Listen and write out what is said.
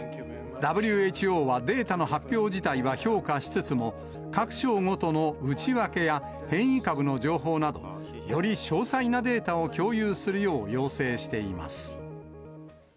ＷＨＯはデータの発表自体は評価しつつも、各省ごとの内訳や、変異株の情報など、より詳細なデータを共有するよう要請しています。